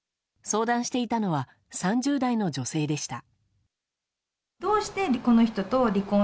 相談していたのは３０代の女性でした。